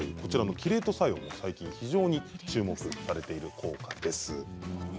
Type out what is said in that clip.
キレート作用、最近非常に注目されている効果です。